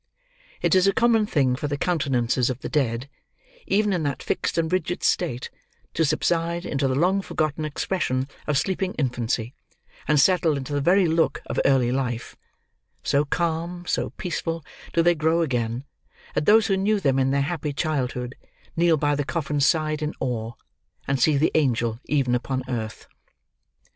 It is a common thing for the countenances of the dead, even in that fixed and rigid state, to subside into the long forgotten expression of sleeping infancy, and settle into the very look of early life; so calm, so peaceful, do they grow again, that those who knew them in their happy childhood, kneel by the coffin's side in awe, and see the Angel even upon earth.